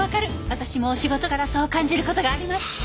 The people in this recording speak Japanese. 私も仕事柄そう感じる事があります。